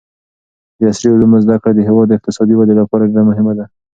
د عصري علومو زده کړه د هېواد د اقتصادي ودې لپاره ډېره مهمه ده.